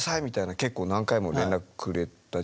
結構何回も連絡くれたじゃない。